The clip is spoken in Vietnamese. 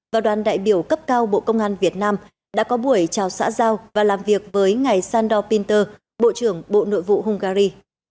và đoàn đại biểu cấp cao bộ công an việt nam đã có buổi chào xã giao và làm việc với ngài sandor pinter bộ trưởng bộ nội vụ hungary